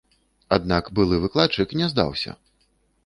Аднак былы выкладчык не здаўся.